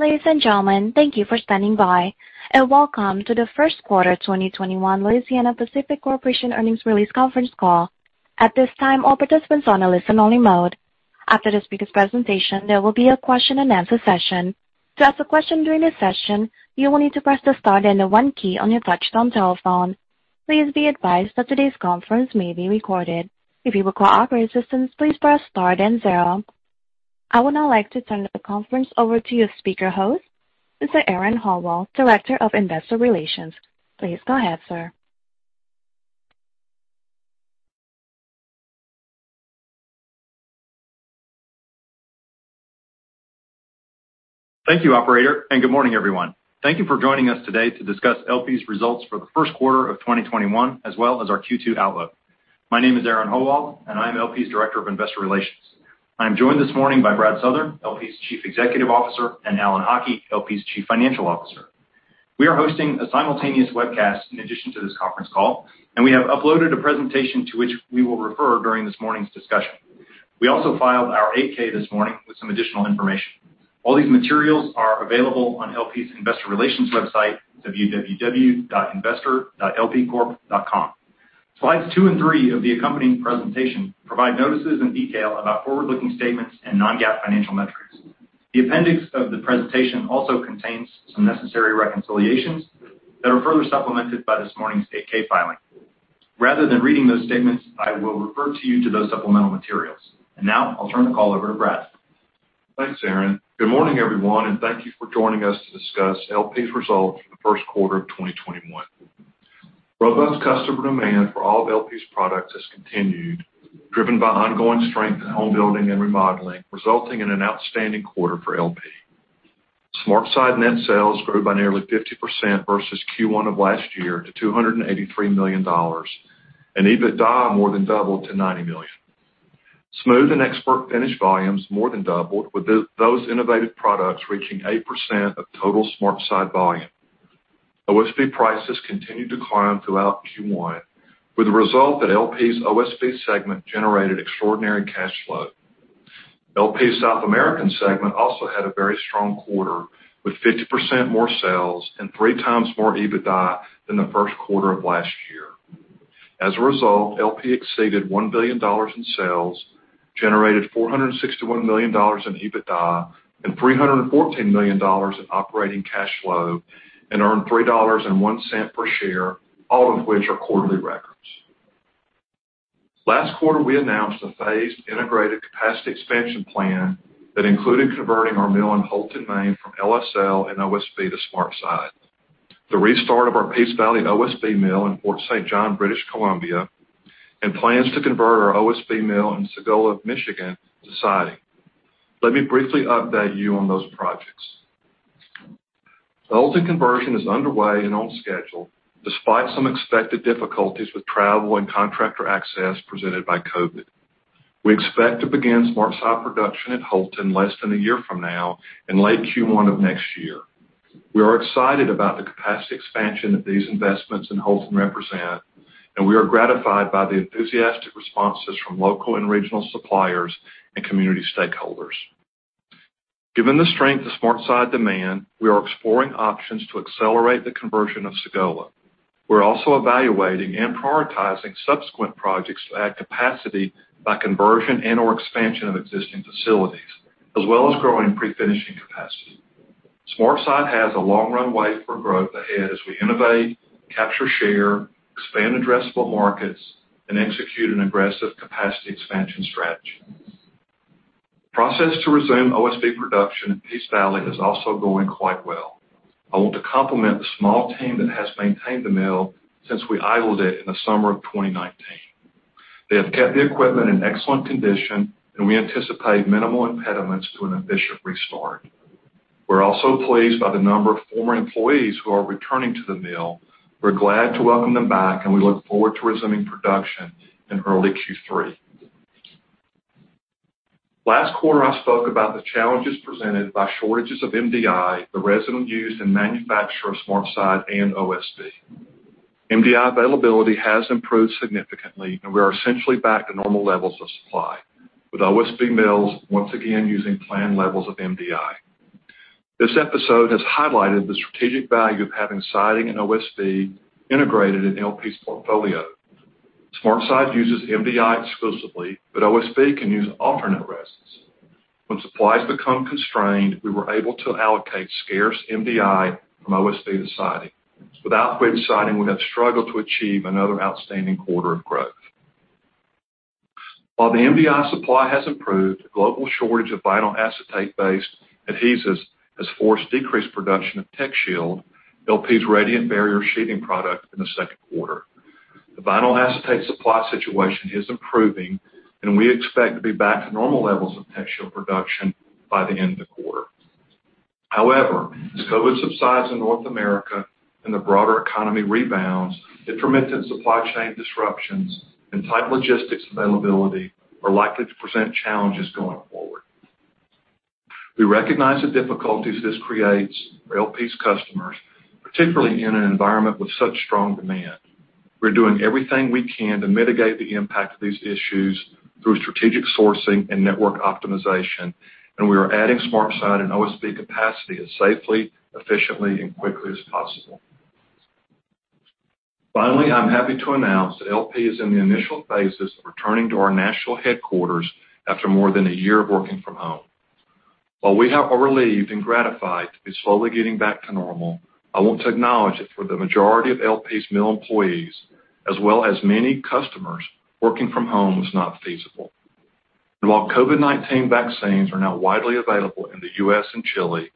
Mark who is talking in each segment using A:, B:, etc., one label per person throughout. A: Ladies and gentlemen, thank you for standing by and welcome to the first quarter 2021 Louisiana-Pacific Corporation earnings release conference call. At this time, all participants are on a listen-only mode. After this speaker's presentation, there will be a question-and-answer session. To ask a question during this session, you will need to press the star and the 1 key on your touch-tone telephone. Please be advised that today's conference may be recorded. If you require our assistance, please press star and zero. I would now like to turn the conference over to your speaker host. This is Aaron Howald, Director of Investor Relations. Please go ahead, sir.
B: Thank you, Operator, and good morning, everyone. Thank you for joining us today to discuss LP's results for the first quarter of 2021, as well as our Q2 outlook. My name is Aaron Howald, and I am LP's Director of Investor Relations. I am joined this morning by Brad Southern, LP's Chief Executive Officer, and Alan Haughie, LP's Chief Financial Officer. We are hosting a simultaneous webcast in addition to this conference call, and we have uploaded a presentation to which we will refer during this morning's discussion. We also filed our 8-K this morning with some additional information. All these materials are available on LP's Investor Relations website at www.investor.lpcorp.com. Slides 2 and 3 of the accompanying presentation provide notices and detail about forward-looking statements and non-GAAP financial metrics. The appendix of the presentation also contains some necessary reconciliations that are further supplemented by this morning's 8-K filing. Rather than reading those statements, I will refer you to those supplemental materials, and now I'll turn the call over to Brad.
C: Thanks, Aaron. Good morning, everyone, and thank you for joining us to discuss LP's results for the first quarter of 2021. Robust customer demand for all of LP's products has continued, driven by ongoing strength in home building and remodeling, resulting in an outstanding quarter for LP. SmartSide net sales grew by nearly 50% versus Q1 of last year to $283 million, and EBITDA more than doubled to $90 million. Soffit and trim finished volumes more than doubled, with those innovative products reaching 8% of total SmartSide volume. OSB prices continued to climb throughout Q1, with the result that LP's OSB segment generated extraordinary cash flow. LP's South American segment also had a very strong quarter, with 50% more sales and 3x more EBITDA than the first quarter of last year. As a result, LP exceeded $1 billion in sales, generated $461 million in EBITDA, and $314 million in operating cash flow, and earned $3.01 per share, all of which are quarterly records. Last quarter, we announced a phased integrated capacity expansion plan that included converting our mill in Houlton, Maine, from LSL and OSB to SmartSide, the restart of our Peace Valley OSB mill in Fort St. John, British Columbia, and plans to convert our OSB mill in Sagola, Michigan, to siding. Let me briefly update you on those projects. The Houlton conversion is underway and on schedule, despite some expected difficulties with travel and contractor access presented by COVID. We expect to begin SmartSide production at Houlton less than a year from now, in late Q1 of next year. We are excited about the capacity expansion that these investments in Houlton represent, and we are gratified by the enthusiastic responses from local and regional suppliers and community stakeholders. Given the strength of SmartSide demand, we are exploring options to accelerate the conversion of Sagola. We're also evaluating and prioritizing subsequent projects to add capacity by conversion and/or expansion of existing facilities, as well as growing pre-finishing capacity. SmartSide has a long runway for growth ahead as we innovate, capture share, expand addressable markets, and execute an aggressive capacity expansion strategy. The process to resume OSB production in Peace Valley is also going quite well. I want to compliment the small team that has maintained the mill since we idled it in the summer of 2019. They have kept the equipment in excellent condition, and we anticipate minimal impediments to an efficient restart. We're also pleased by the number of former employees who are returning to the mill. We're glad to welcome them back, and we look forward to resuming production in early Q3. Last quarter, I spoke about the challenges presented by shortages of MDI, the resin used in manufacture of SmartSide and OSB. MDI availability has improved significantly, and we are essentially back to normal levels of supply, with OSB mills once again using planned levels of MDI. This episode has highlighted the strategic value of having siding and OSB integrated in LP's portfolio. SmartSide uses MDI exclusively, but OSB can use alternate resins. When supplies become constrained, we were able to allocate scarce MDI from OSB to siding, without which siding would have struggled to achieve another outstanding quarter of growth. While the MDI supply has improved, a global shortage of vinyl acetate-based adhesives has forced decreased production of TechShield, LP's radiant barrier sheathing product, in the second quarter. The vinyl acetate supply situation is improving, and we expect to be back to normal levels of TechShield production by the end of the quarter. However, as COVID subsides in North America and the broader economy rebounds, intermittent supply chain disruptions and tight logistics availability are likely to present challenges going forward. We recognize the difficulties this creates for LP's customers, particularly in an environment with such strong demand. We're doing everything we can to mitigate the impact of these issues through strategic sourcing and network optimization, and we are adding SmartSide and OSB capacity as safely, efficiently, and quickly as possible. Finally, I'm happy to announce that LP is in the initial phases of returning to our national headquarters after more than a year of working from home. While we are relieved and gratified to be slowly getting back to normal, I want to acknowledge that for the majority of LP's mill employees, as well as many customers, working from home was not feasible. And while COVID-19 vaccines are now widely available in the U.S. and Chile,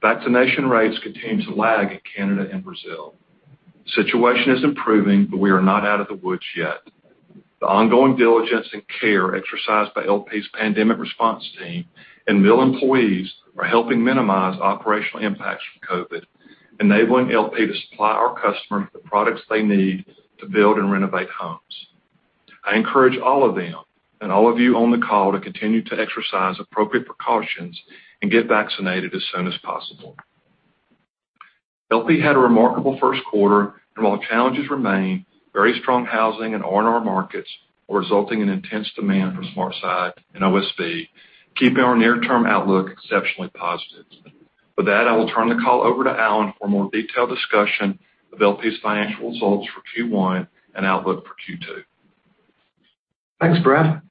C: vaccination rates continue to lag in Canada and Brazil. The situation is improving, but we are not out of the woods yet. The ongoing diligence and care exercised by LP's pandemic response team and mill employees are helping minimize operational impacts from COVID, enabling LP to supply our customers with the products they need to build and renovate homes. I encourage all of them and all of you on the call to continue to exercise appropriate precautions and get vaccinated as soon as possible. LP had a remarkable first quarter, and while challenges remain, very strong housing and R&R markets are resulting in intense demand for SmartSide and OSB, keeping our near-term outlook exceptionally positive. With that, I will turn the call over to Alan for a more detailed discussion of LP's financial results for Q1 and outlook for Q2.
D: Thanks, Brad.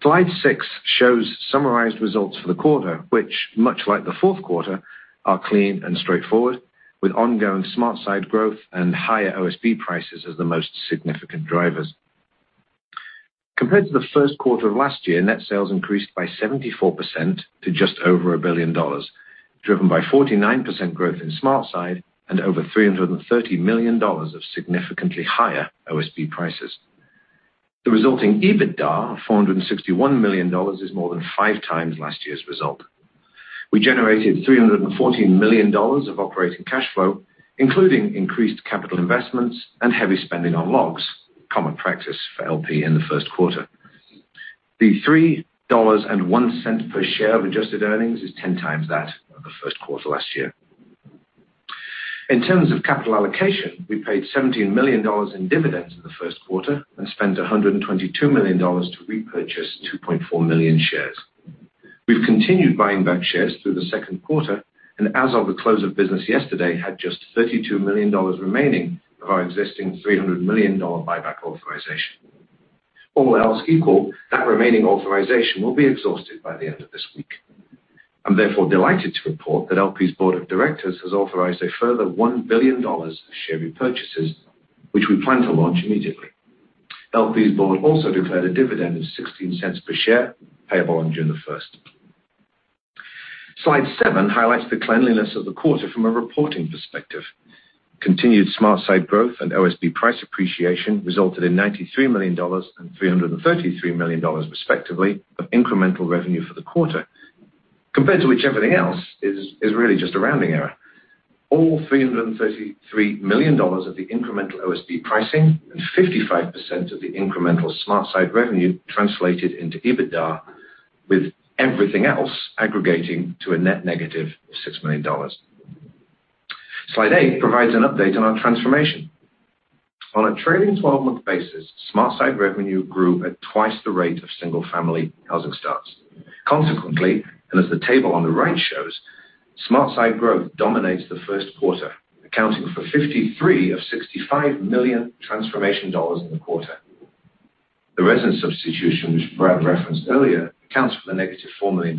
D: Slide 6 shows summarized results for the quarter, which, much like the fourth quarter, are clean and straightforward, with ongoing SmartSide growth and higher OSB prices as the most significant drivers. Compared to the first quarter of last year, net sales increased by 74% to just over $1 billion, driven by 49% growth in SmartSide and over $330 million of significantly higher OSB prices. The resulting EBITDA of $461 million is more than 5x last year's result. We generated $314 million of operating cash flow, including increased capital investments and heavy spending on logs, common practice for LP in the first quarter. The $3.01 per share of adjusted earnings is 10x that of the first quarter last year. In terms of capital allocation, we paid $17 million in dividends in the first quarter and spent $122 million to repurchase 2.4 million shares. We've continued buying back shares through the second quarter, and as of the close of business yesterday, had just $32 million remaining of our existing $300 million buyback authorization. All else equal, that remaining authorization will be exhausted by the end of this week. I'm therefore delighted to report that LP's Board of Directors has authorized a further $1 billion of share repurchases, which we plan to launch immediately. LP's Board also declared a dividend of $0.16 per share, payable on June 1. Slide 7 highlights the cleanliness of the quarter from a reporting perspective. Continued SmartSide growth and OSB price appreciation resulted in $93 million and $333 million, respectively, of incremental revenue for the quarter, compared to which everything else is really just a rounding error. All $333 million of the incremental OSB pricing and 55% of the incremental SmartSide revenue translated into EBITDA, with everything else aggregating to a net negative of $6 million. Slide 8 provides an update on our transformation. On a trailing 12-month basis, SmartSide revenue grew at twice the rate of single-family housing starts. Consequently, and as the table on the right shows, SmartSide growth dominates the first quarter, accounting for $53 million of $65 million transformation dollars in the quarter. The resin substitution, which Brad referenced earlier, accounts for the -$4 million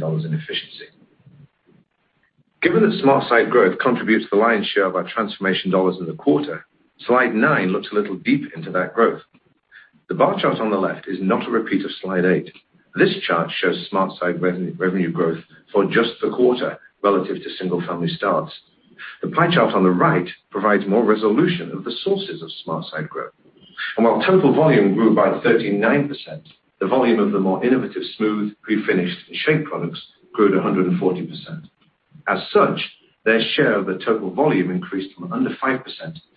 D: in efficiency. Given that SmartSide growth contributes the lion's share of our transformation dollars in the quarter, Slide 9 looks a little deeper into that growth. The bar chart on the left is not a repeat of Slide 8. This chart shows SmartSide revenue growth for just the quarter relative to single-family starts. The pie chart on the right provides more resolution of the sources of SmartSide growth. And while total volume grew by 39%, the volume of the more innovative smooth, pre-finished, and shaped products grew at 140%. As such, their share of the total volume increased from under 5%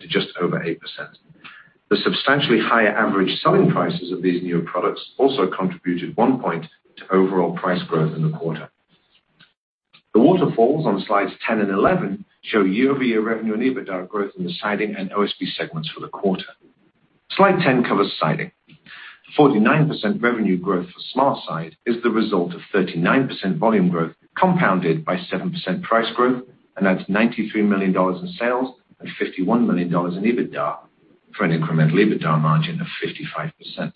D: to just over 8%. The substantially higher average selling prices of these newer products also contributed one point to overall price growth in the quarter. The waterfalls on Slides 10 and 11 show year-over-year revenue and EBITDA growth in the siding and OSB segments for the quarter. Slide 10 covers siding. The 49% revenue growth for SmartSide is the result of 39% volume growth compounded by 7% price growth, and that's $93 million in sales and $51 million in EBITDA for an incremental EBITDA margin of 55%.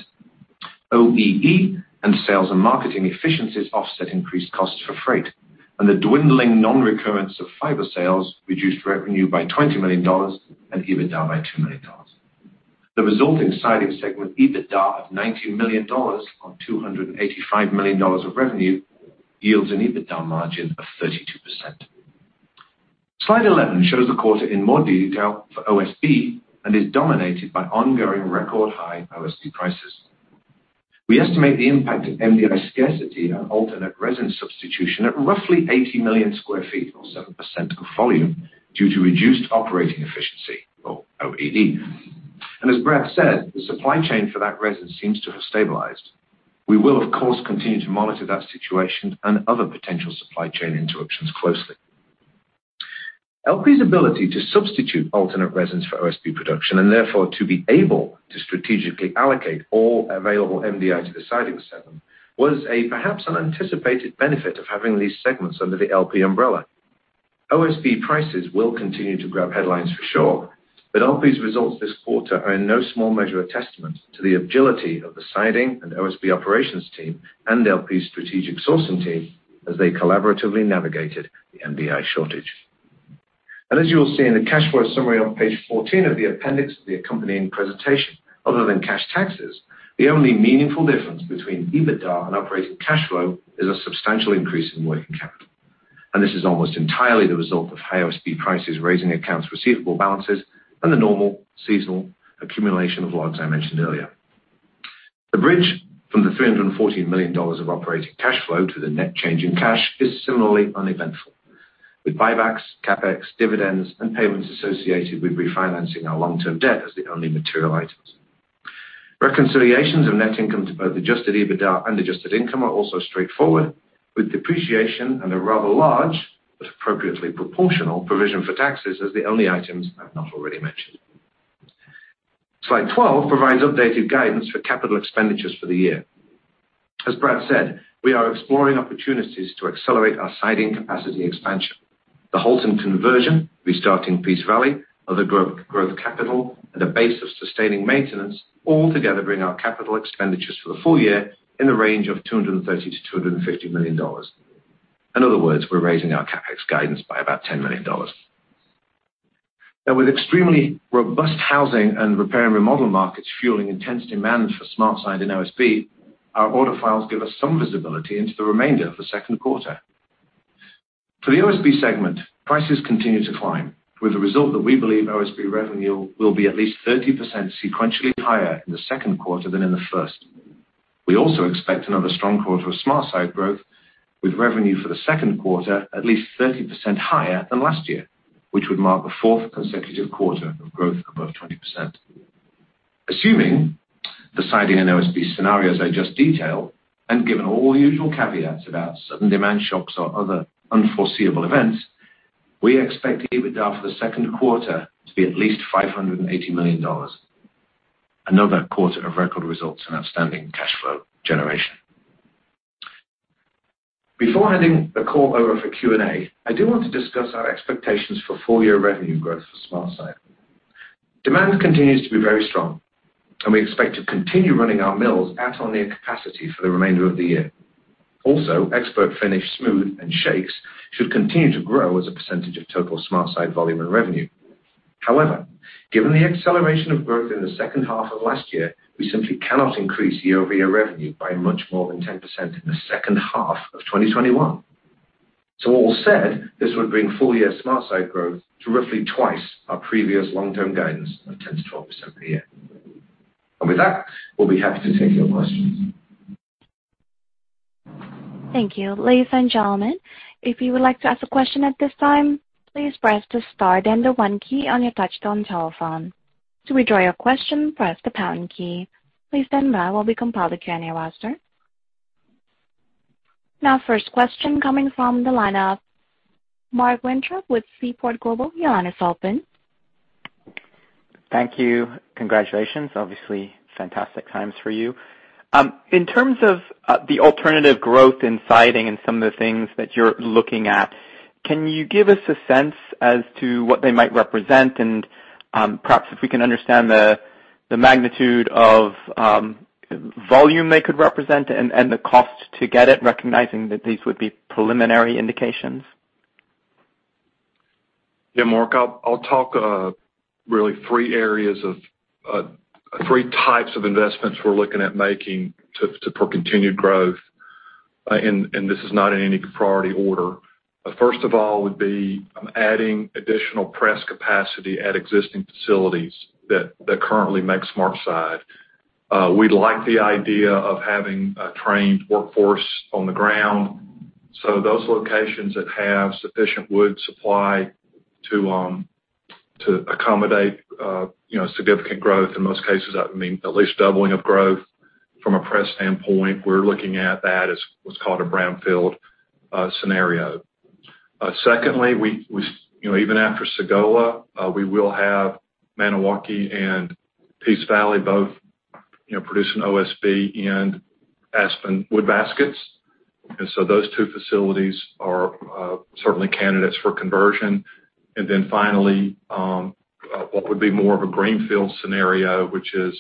D: OEE and sales and marketing efficiencies offset increased costs for freight, and the dwindling non-recurrence of fiber sales reduced revenue by $20 million and EBITDA by $2 million. The resulting siding segment EBITDA of $19 million on $285 million of revenue yields an EBITDA margin of 32%. Slide 11 shows the quarter in more detail for OSB and is dominated by ongoing record high OSB prices. We estimate the impact of MDI scarcity and alternate resin substitution at roughly 80 million sq ft, or 7% of volume, due to reduced operating efficiency, or OEE. And as Brad said, the supply chain for that resin seems to have stabilized. We will, of course, continue to monitor that situation and other potential supply chain interruptions closely. LP's ability to substitute alternate resins for OSB production and therefore to be able to strategically allocate all available MDI to the siding segment was a perhaps unanticipated benefit of having these segments under the LP umbrella. OSB prices will continue to grab headlines for sure, but LP's results this quarter are in no small measure a testament to the agility of the siding and OSB operations team and LP's strategic sourcing team as they collaboratively navigated the MDI shortage. And as you will see in the cash flow summary on page 14 of the appendix of the accompanying presentation, other than cash taxes, the only meaningful difference between EBITDA and operating cash flow is a substantial increase in working capital. And this is almost entirely the result of high OSB prices raising accounts receivable balances and the normal seasonal accumulation of logs I mentioned earlier. The bridge from the $314 million of operating cash flow to the net change in cash is similarly uneventful, with buybacks, CapEx, dividends, and payments associated with refinancing our long-term debt as the only material items. Reconciliations of net income to both adjusted EBITDA and adjusted income are also straightforward, with depreciation and a rather large but appropriately proportional provision for taxes as the only items I've not already mentioned. Slide 12 provides updated guidance for capital expenditures for the year. As Brad said, we are exploring opportunities to accelerate our siding capacity expansion. The Houlton conversion, restarting Peace Valley, other growth capital, and a base of sustaining maintenance all together bring our capital expenditures for the full year in the range of $230 million-$250 million. In other words, we're raising our CapEx guidance by about $10 million. Now, with extremely robust housing and repair and remodel markets fueling intense demand for SmartSide and OSB, our order files give us some visibility into the remainder of the second quarter. For the OSB segment, prices continue to climb, with the result that we believe OSB revenue will be at least 30% sequentially higher in the second quarter than in the first. We also expect another strong quarter of SmartSide growth, with revenue for the second quarter at least 30% higher than last year, which would mark the fourth consecutive quarter of growth above 20%. Assuming the siding and OSB scenarios I just detailed, and given all usual caveats about sudden demand shocks or other unforeseeable events, we expect EBITDA for the second quarter to be at least $580 million. Another quarter of record results in outstanding cash flow generation. Before handing the call over for Q&A, I do want to discuss our expectations for full-year revenue growth for SmartSide. Demand continues to be very strong, and we expect to continue running our mills at or near capacity for the remainder of the year. Also, ExpertFinish smooth and shakes should continue to grow as a percentage of total SmartSide volume and revenue. However, given the acceleration of growth in the second half of last year, we simply cannot increase year-over-year revenue by much more than 10% in the second half of 2021. So all said, this would bring full-year SmartSide growth to roughly twice our previous long-term guidance of 10%-12% per year. And with that, we'll be happy to take your questions.
A: Thank you. Ladies and gentlemen, if you would like to ask a question at this time, please press the star then the one key on your touch-tone telephone. To withdraw your question, press the pound key. Please stand by while we compile the Q&A roster. Now, first question coming from the line of Mark Weintraub with Seaport Global. Your line is open.
E: Thank you. Congratulations. Obviously, fantastic times for you. In terms of the alternative growth in siding and some of the things that you're looking at, can you give us a sense as to what they might represent and perhaps if we can understand the magnitude of volume they could represent and the cost to get it, recognizing that these would be preliminary indications?
C: Yeah, Mark, I'll talk really three areas of three types of investments we're looking at making for continued growth, and this is not in any priority order. First of all would be adding additional press capacity at existing facilities that currently make SmartSide. We'd like the idea of having a trained workforce on the ground. So those locations that have sufficient wood supply to accommodate significant growth, in most cases, I mean, at least doubling of growth from a press standpoint, we're looking at that as what's called a brownfield scenario. Secondly, even after Sagola, we will have Maniwaki and Peace Valley both producing OSB and Aspen wood baskets. And so those two facilities are certainly candidates for conversion. Then finally, what would be more of a greenfield scenario, which is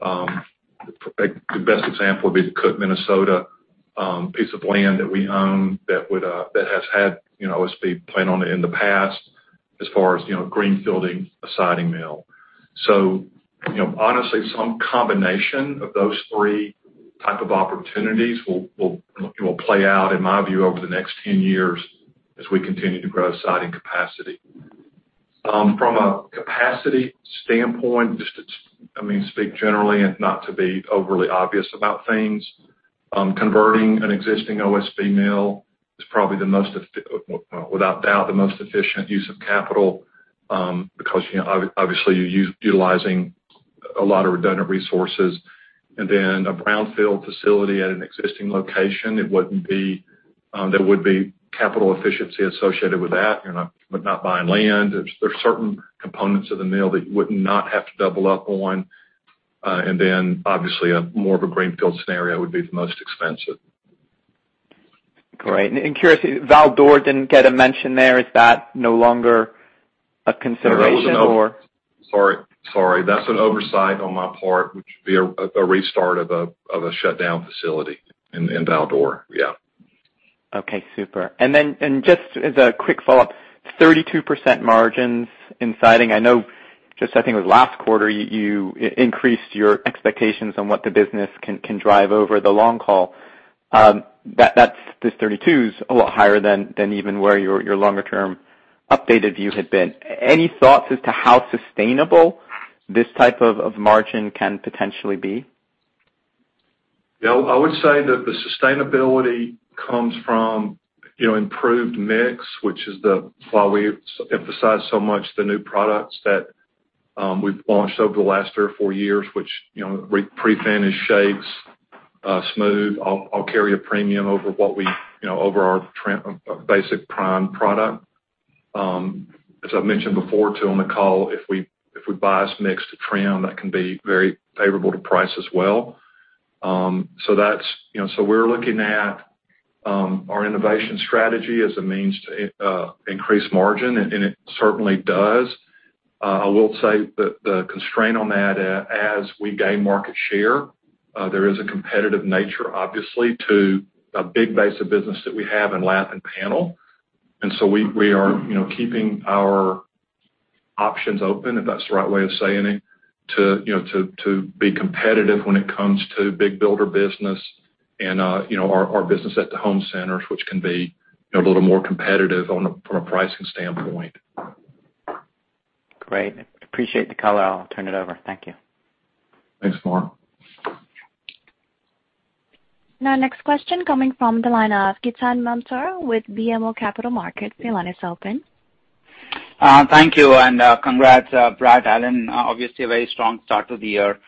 C: the best example would be the Cook, Minnesota piece of land that we own that has had OSB planned on it in the past as far as greenfielding a siding mill. So honestly, some combination of those three types of opportunities will play out, in my view, over the next 10 years as we continue to grow siding capacity. From a capacity standpoint, just to, I mean, speak generally and not to be overly obvious about things, converting an existing OSB mill is probably the most, without doubt, the most efficient use of capital because obviously you're utilizing a lot of redundant resources. Then a brownfield facility at an existing location, it wouldn't be. There would be capital efficiency associated with that. You're not buying land. There's certain components of the mill that you would not have to double up on, and then obviously, more of a greenfield scenario would be the most expensive.
E: Great. And curious, Val-d'Or didn't get a mention there. Is that no longer a consideration or?
C: Sorry. Sorry. That's an oversight on my part, which would be a restart of a shutdown facility in Val-d'Or. Yeah.
E: Okay. Super. And then just as a quick follow-up, 32% margins in siding. I know just, I think it was last quarter, you increased your expectations on what the business can drive over the long haul. That's, this 32% is a lot higher than even where your longer-term updated view had been. Any thoughts as to how sustainable this type of margin can potentially be?
C: Yeah. I would say that the sustainability comes from improved mix, which is why we emphasize so much the new products that we've launched over the last three or four years, which pre-finish shakes, smooth, all carry a premium over what we offer our basic prime product. As I mentioned before too on the call, if we bias mixed trim, that can be very favorable to price as well. So we're looking at our innovation strategy as a means to increase margin, and it certainly does. I will say that the constraint on that, as we gain market share, there is a competitive nature, obviously, to a big base of business that we have in the panel. We are keeping our options open, if that's the right way of saying it, to be competitive when it comes to big builder business and our business at the home centers, which can be a little more competitive from a pricing standpoint.
E: Great. Appreciate the call. I'll turn it over. Thank you.
C: Thanks, Mark.
A: Now, next question coming from the line of Ketan Mamtora with BMO Capital Markets. Your line is open.
F: Thank you and congrats, Brad, Alan. Obviously, a very strong start to the year.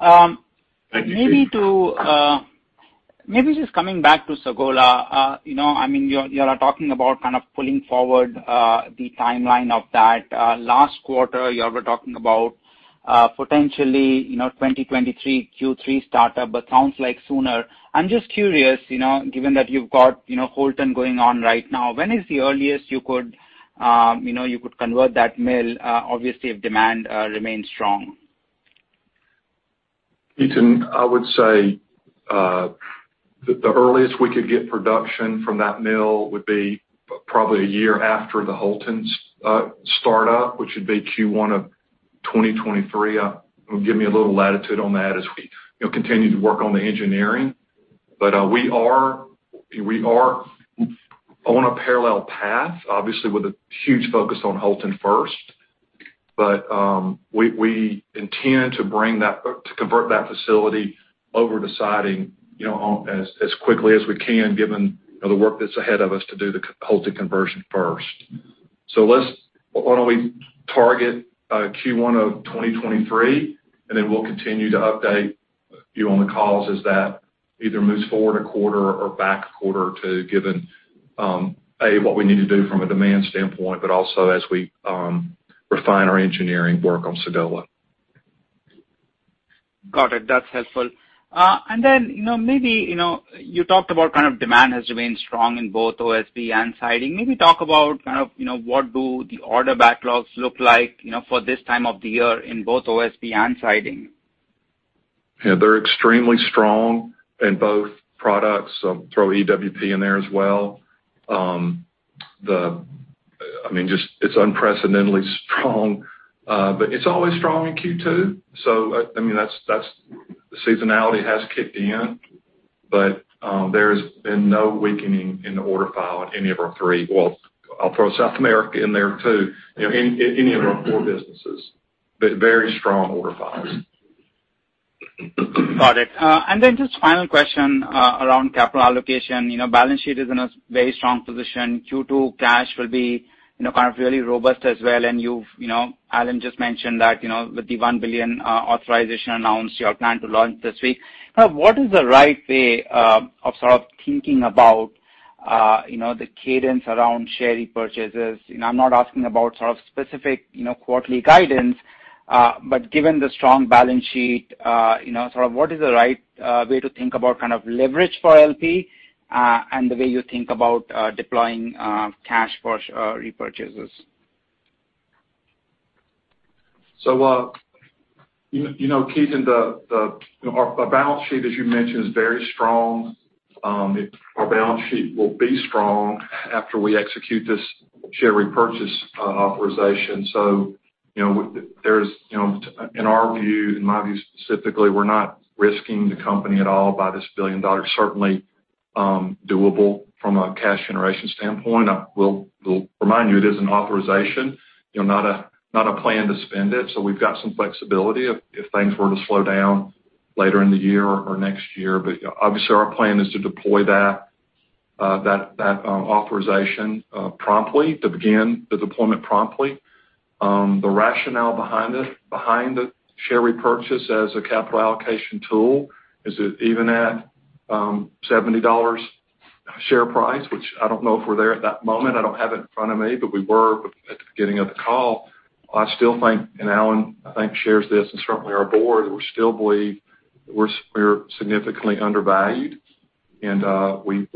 C: Thank you.
F: Maybe just coming back to Sagola, I mean, you are talking about kind of pulling forward the timeline of that. Last quarter, you were talking about potentially 2023 Q3 startup, but sounds like sooner. I'm just curious, given that you've got Houlton going on right now, when is the earliest you could convert that mill, obviously, if demand remains strong?
C: I would say the earliest we could get production from that mill would be probably a year after the Houlton's startup, which would be Q1 of 2023. Give me a little latitude on that as we continue to work on the engineering. But we are on a parallel path, obviously, with a huge focus on Houlton first. But we intend to convert that facility over to siding as quickly as we can, given the work that's ahead of us to do the Houlton conversion first. So why don't we target Q1 of 2023, and then we'll continue to update you on the calls as that either moves forward a quarter or back a quarter to give an idea what we need to do from a demand standpoint, but also as we refine our engineering work on Sagola.
F: Got it. That's helpful. And then maybe you talked about kind of demand has remained strong in both OSB and siding. Maybe talk about kind of what do the order backlogs look like for this time of the year in both OSB and siding?
C: Yeah. They're extremely strong in both products. I'll throw EWP in there as well. I mean, it's unprecedentedly strong, but it's always strong in Q2. So I mean, the seasonality has kicked in, but there has been no weakening in the order file in any of our three. Well, I'll throw South America in there too, any of our four businesses. Very strong order files.
F: Got it. And then just final question around capital allocation. Balance sheet is in a very strong position. Q2 cash will be kind of really robust as well. And you, Alan, just mentioned that with the $1 billion authorization announced, you are planning to launch this week. What is the right way of sort of thinking about the cadence around share purchases? I'm not asking about sort of specific quarterly guidance, but given the strong balance sheet, sort of what is the right way to think about kind of leverage for LP and the way you think about deploying cash for repurchases?
C: Ketan, our balance sheet, as you mentioned, is very strong. Our balance sheet will be strong after we execute this share repurchase authorization. There's, in my view specifically, we're not risking the company at all by this $1 billion. Certainly doable from a cash generation standpoint. I will remind you, it is an authorization, not a plan to spend it. We've got some flexibility if things were to slow down later in the year or next year. But obviously, our plan is to deploy that authorization promptly, to begin the deployment promptly. The rationale behind the share repurchase as a capital allocation tool is even at $70 share price, which I don't know if we're there at that moment. I don't have it in front of me, but we were at the beginning of the call. I still think, and Alan, I think shares this, and certainly our Board, we still believe we're significantly undervalued, and so we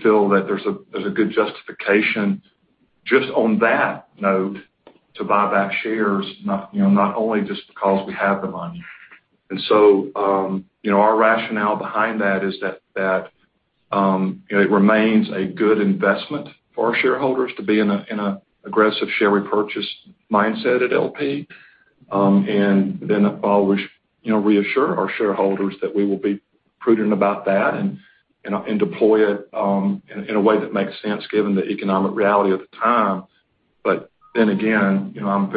C: feel that there's a good justification just on that note to buy back shares, not only just because we have the money. Our rationale behind that is that it remains a good investment for our shareholders to be in an aggressive share purchase mindset at LP. I'll reassure our shareholders that we will be prudent about that and deploy it in a way that makes sense given the economic reality of the time. I'm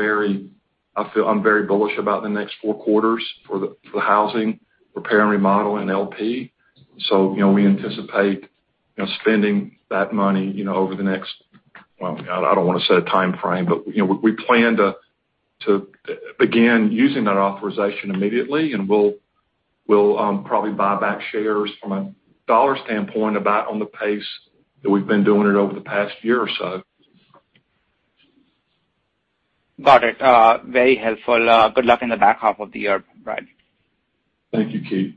C: very bullish about the next four quarters for the housing, repair, and remodel in LP. We anticipate spending that money over the next, well, I don't want to say a timeframe, but we plan to begin using that authorization immediately. We'll probably buy back shares from a dollar standpoint about on the pace that we've been doing it over the past year or so.
F: Got it. Very helpful. Good luck in the back half of the year, Brad.
C: Thank you, Ketan.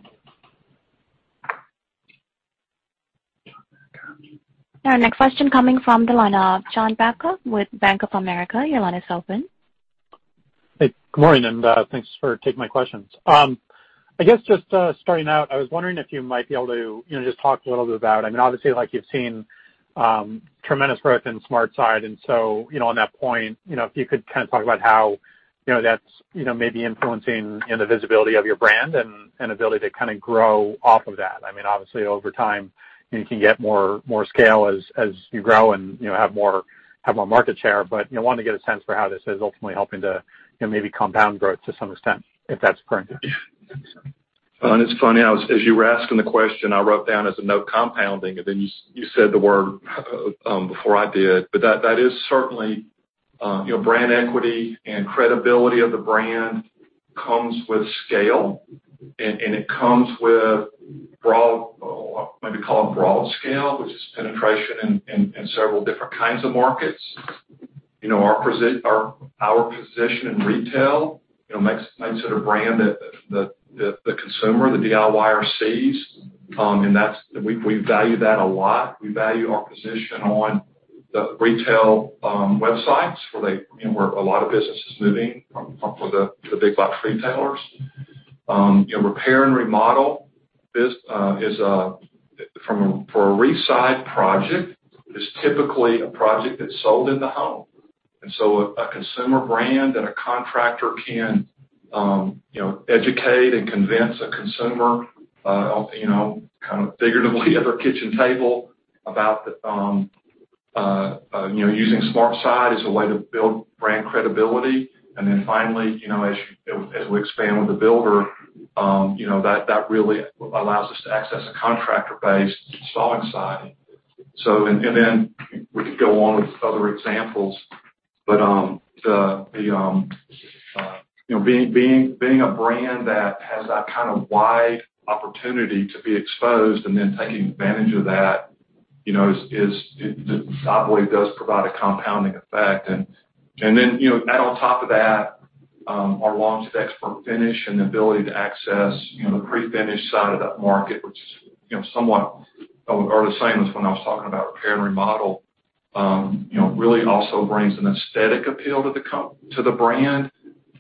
A: Now, next question coming from the line of John Babcock with Bank of America. Your line is open.
G: Hey. Good morning, and thanks for taking my questions. I guess just starting out, I was wondering if you might be able to just talk a little bit about, I mean, obviously, like you've seen tremendous growth in SmartSide. And so on that point, if you could kind of talk about how that's maybe influencing the visibility of your brand and ability to kind of grow off of that. I mean, obviously, over time, you can get more scale as you grow and have more market share. But I wanted to get a sense for how this is ultimately helping to maybe compound growth to some extent, if that's current.
C: It's funny. As you were asking the question, I wrote down as a note compounding, and then you said the word before I did, but that is certainly brand equity, and credibility of the brand comes with scale, and it comes with, maybe, call it broad scale, which is penetration in several different kinds of markets. Our position in retail makes it a brand that the consumer, the DIY, sees, and we value that a lot. We value our position on the retail websites where a lot of business is moving for the big box retailers. Repair and remodel is for a re-side project. It's typically a project that's sold in the home, and so a consumer brand and a contractor can educate and convince a consumer kind of figuratively at their kitchen table about using SmartSide as a way to build brand credibility. And then finally, as we expand with the builder, that really allows us to access a contractor-based installing side. And then we could go on with other examples. But being a brand that has that kind of wide opportunity to be exposed and then taking advantage of that, I believe does provide a compounding effect. And then add on top of that, our LP ExpertFinish and the ability to access the pre-finished side of that market, which is somewhat or the same as when I was talking about repair and remodel, really also brings an aesthetic appeal to the brand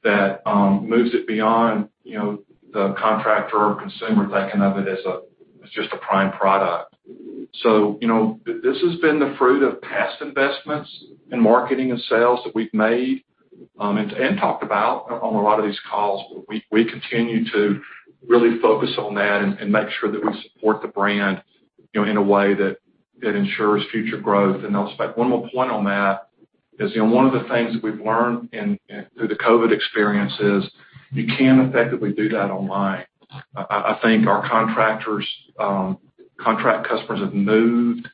C: that moves it beyond the contractor or consumer thinking of it as just a prime product. So this has been the fruit of past investments in marketing and sales that we've made and talked about on a lot of these calls. We continue to really focus on that and make sure that we support the brand in a way that ensures future growth. And I'll just make one more point on that. One of the things that we've learned through the COVID experience is you can effectively do that online. I think our contract customers have moved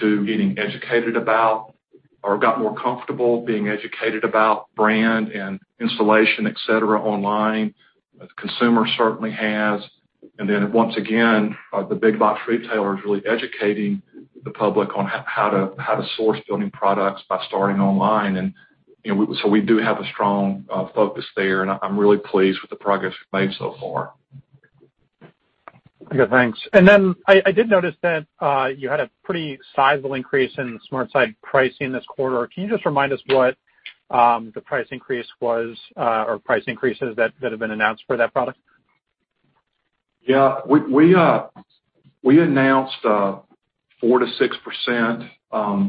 C: to getting educated about or got more comfortable being educated about brand and installation, etc., online. The consumer certainly has. And then once again, the big box retailers are really educating the public on how to source building products by starting online. And so we do have a strong focus there. And I'm really pleased with the progress we've made so far.
G: Thanks. And then I did notice that you had a pretty sizable increase in SmartSide pricing this quarter. Can you just remind us what the price increase was or price increases that have been announced for that product?
C: Yeah. We announced 4%-6%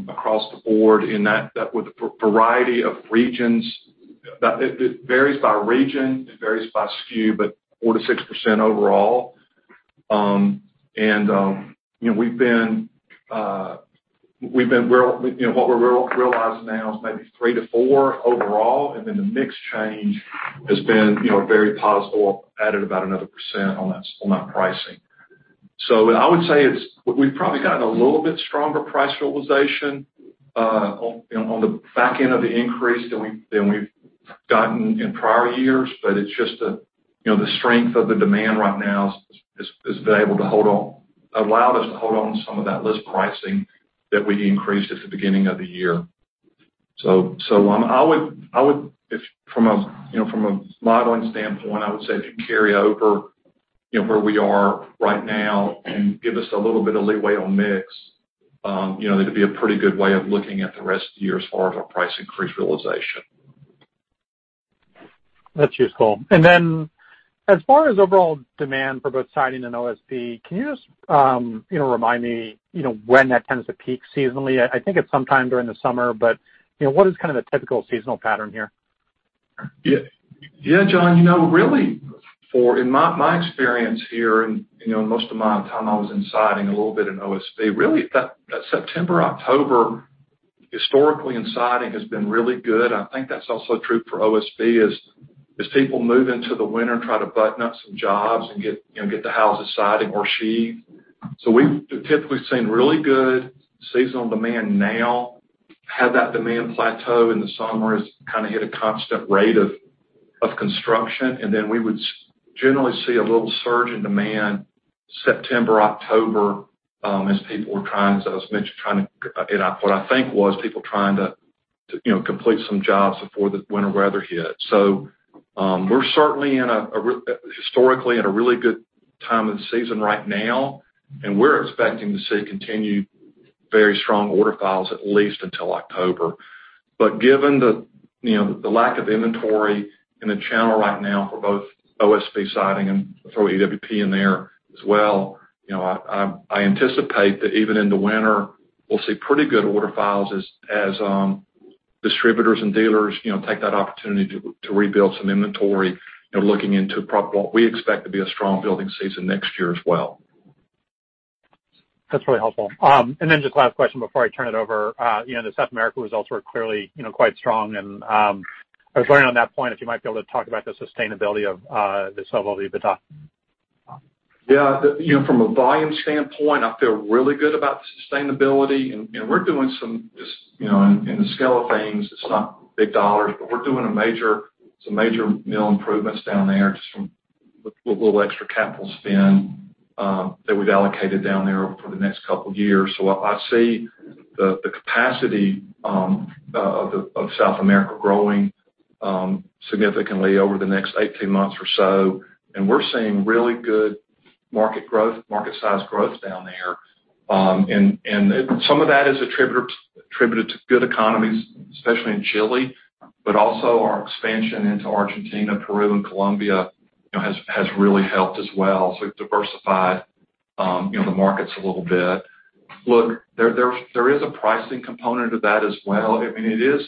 C: across the board in that with a variety of regions. It varies by region. It varies by SKU, but 4%-6% overall. And what we're realizing now is maybe 3%-4% overall. And then the mix change has been very positive, added about another percent on that pricing. So I would say we've probably gotten a little bit stronger price realization on the back end of the increase than we've gotten in prior years. But it's just the strength of the demand right now has been able to hold on, allowed us to hold on some of that list pricing that we increased at the beginning of the year. So I would, from a modeling standpoint, I would say if you carry over where we are right now and give us a little bit of leeway on mix, it'd be a pretty good way of looking at the rest of the year as far as our price increase realization.
G: That's useful and then as far as overall demand for both siding and OSB, can you just remind me when that tends to peak seasonally? I think it's sometime during the summer, but what is kind of the typical seasonal pattern here?
C: Yeah, John, really, in my experience here and most of my time I was in siding a little bit in OSB. Really that September, October historically in siding has been really good. I think that's also true for OSB as people move into the winter and try to button up some jobs and get the houses siding or sheathed. So we've typically seen really good seasonal demand now. Had that demand plateau in the summer has kind of hit a constant rate of construction. And then we would generally see a little surge in demand September, October as people were trying, as I was mentioning, trying to, what I think was people trying to complete some jobs before the winter weather hit. So we're certainly historically at a really good time of the season right now. And we're expecting to see continued very strong order files at least until October. But given the lack of inventory in the channel right now for both OSB siding and for EWP in there as well, I anticipate that even in the winter, we'll see pretty good order files as distributors and dealers take that opportunity to rebuild some inventory, looking into what we expect to be a strong building season next year as well.
G: That's really helpful. And then just last question before I turn it over. The South America results were clearly quite strong. And I was wondering on that point if you might be able to talk about the sustainability of the sales lift?
C: Yeah. From a volume standpoint, I feel really good about the sustainability. And we're doing some, just in the scale of things, it's not big dollars, but we're doing some major mill improvements down there just from a little extra capital spend that we've allocated down there for the next couple of years. So I see the capacity of South America growing significantly over the next 18 months or so. And we're seeing really good market growth, market-sized growth down there. And some of that is attributed to good economies, especially in Chile, but also our expansion into Argentina, Peru, and Colombia has really helped as well. So it diversified the markets a little bit. Look, there is a pricing component to that as well. I mean, it is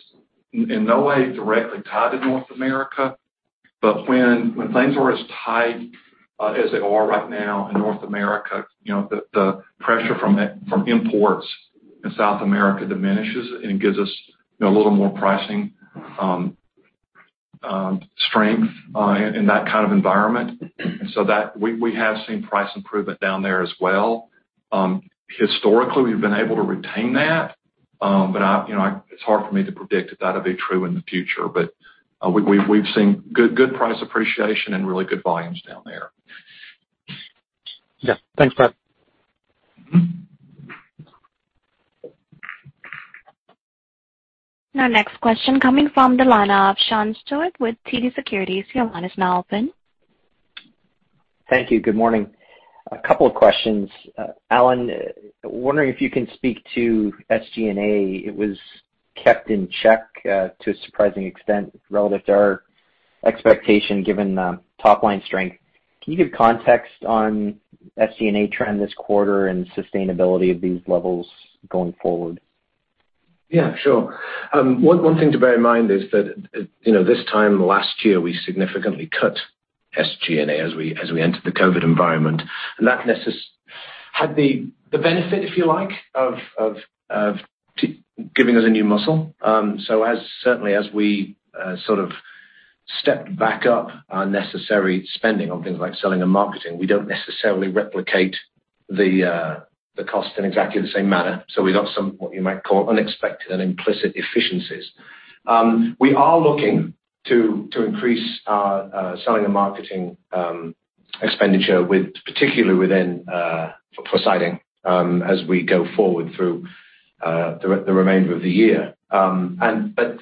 C: in no way directly tied to North America. But when things are as tight as they are right now in North America, the pressure from imports in South America diminishes and gives us a little more pricing strength in that kind of environment. And so we have seen price improvement down there as well. Historically, we've been able to retain that. But it's hard for me to predict if that'll be true in the future. But we've seen good price appreciation and really good volumes down there.
G: Yeah. Thanks, Brad.
A: Now, next question coming from the line of Sean Steuart with TD Securities. Your line is now open.
H: Thank you. Good morning. A couple of questions. Alan, wondering if you can speak to SG&A. It was kept in check to a surprising extent relative to our expectation given top-line strength. Can you give context on SG&A trend this quarter and sustainability of these levels going forward?
D: Yeah, sure. One thing to bear in mind is that this time last year, we significantly cut SG&A as we entered the COVID environment, and that had the benefit, if you like, of giving us a new muscle, so certainly, as we sort of stepped back up our necessary spending on things like selling and marketing, we don't necessarily replicate the cost in exactly the same manner, so we got some, what you might call, unexpected and implicit efficiencies. We are looking to increase our selling and marketing expenditure, particularly for siding, as we go forward through the remainder of the year, but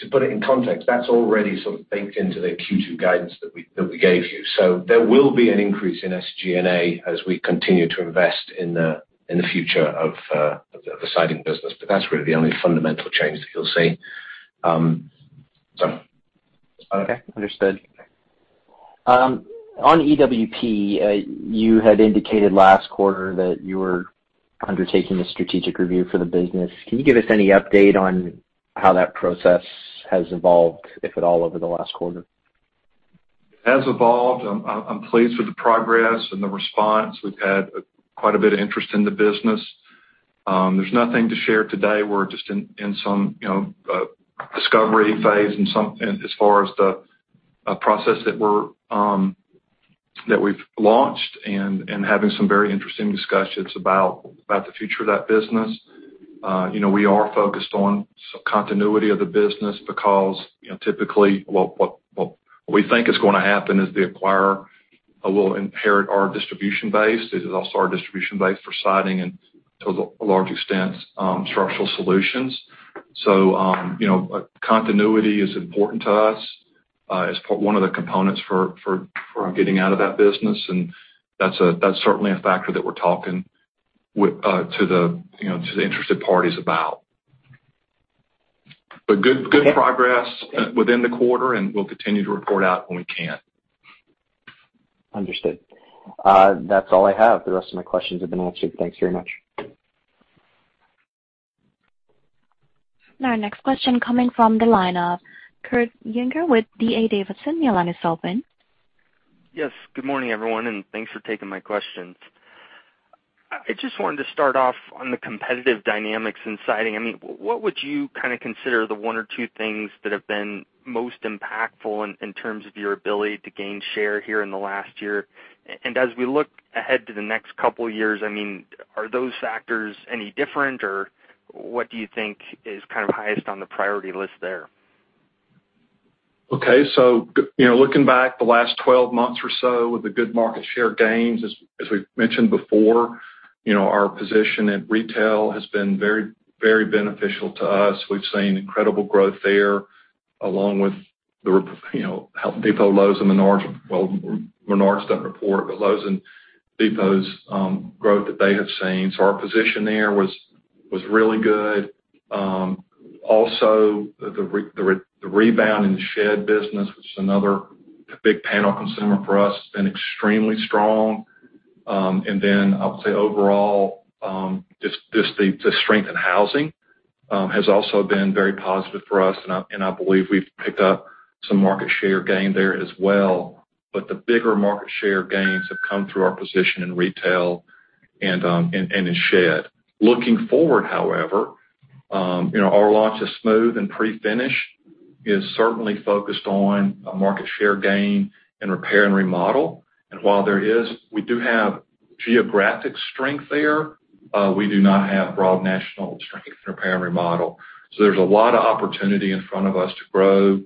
D: to put it in context, that's already sort of baked into the Q2 guidance that we gave you, so there will be an increase in SG&A as we continue to invest in the future of the siding business. But that's really the only fundamental change that you'll see.
H: Okay. Understood. On EWP, you had indicated last quarter that you were undertaking a strategic review for the business. Can you give us any update on how that process has evolved, if at all, over the last quarter?
C: It has evolved. I'm pleased with the progress and the response. We've had quite a bit of interest in the business. There's nothing to share today. We're just in some discovery phase as far as the process that we've launched and having some very interesting discussions about the future of that business. We are focused on some continuity of the business because typically, what we think is going to happen is the acquirer will inherit our distribution base. It's also our distribution base for siding and, to a large extent, structural solutions. So continuity is important to us. It's one of the components for getting out of that business. And that's certainly a factor that we're talking to the interested parties about. But good progress within the quarter, and we'll continue to report out when we can.
H: Understood. That's all I have. The rest of my questions have been answered. Thanks very much.
A: Now, next question coming from the line of Kurt Yinger with D.A. Davidson. Your line is open.
I: Yes. Good morning, everyone. And thanks for taking my questions. I just wanted to start off on the competitive dynamics in siding. I mean, what would you kind of consider the one or two things that have been most impactful in terms of your ability to gain share here in the last year? And as we look ahead to the next couple of years, I mean, are those factors any different? Or what do you think is kind of highest on the priority list there?
C: Okay. So looking back the last 12 months or so with the good market share gains, as we've mentioned before, our position in retail has been very, very beneficial to us. We've seen incredible growth there along with the Depot, Lowe's, and the large builders. Well, we're not just reporting, but Lowe's and Depot's growth that they have seen. So our position there was really good. Also, the rebound in the shed business, which is another big panel consumer for us, has been extremely strong. And then I would say overall, just the strength in housing has also been very positive for us. And I believe we've picked up some market share gain there as well. But the bigger market share gains have come through our position in retail and in shed. Looking forward, however, our launch of smooth and pre-finish is certainly focused on market share gain and repair and remodel. And while there is, we do have geographic strength there. We do not have broad national strength in repair and remodel. So there's a lot of opportunity in front of us to grow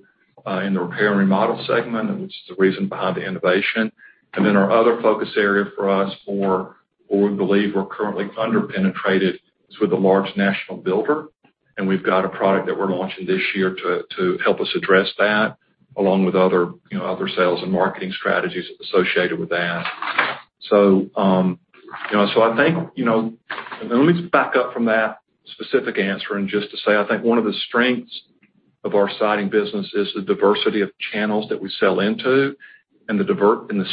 C: in the repair and remodel segment, which is the reason behind the innovation. And then our other focus area for us, or we believe we're currently underpenetrated, is with a large national builder. And we've got a product that we're launching this year to help us address that along with other sales and marketing strategies associated with that. So I think let me back up from that specific answer. And just to say, I think one of the strengths of our siding business is the diversity of channels that we sell into and the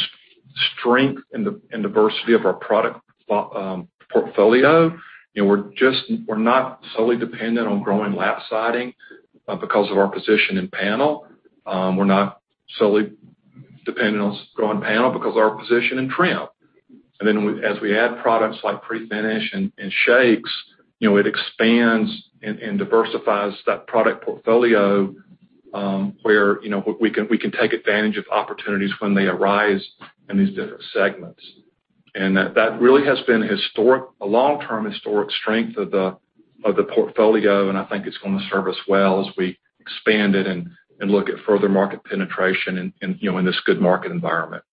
C: strength and diversity of our product portfolio. We're not solely dependent on growing lap siding because of our position in panel. We're not solely dependent on growing panel because of our position in trim. And then as we add products like pre-finish and shakes, it expands and diversifies that product portfolio where we can take advantage of opportunities when they arise in these different segments. And that really has been a long-term historic strength of the portfolio. And I think it's going to serve us well as we expand it and look at further market penetration in this good market environment.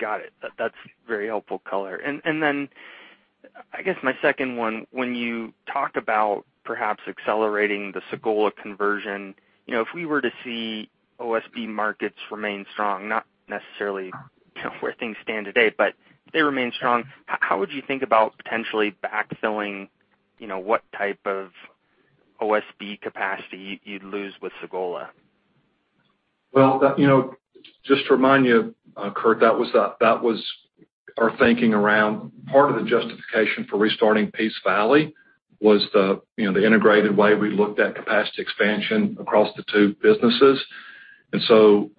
I: Got it. That's very helpful color. And then I guess my second one, when you talk about perhaps accelerating the Sagola conversion, if we were to see OSB markets remain strong, not necessarily where things stand today, but if they remain strong, how would you think about potentially backfilling what type of OSB capacity you'd lose with Sagola?
C: Just to remind you, Kurt, that was our thinking around part of the justification for restarting Peace Valley was the integrated way we looked at capacity expansion across the two businesses. We feel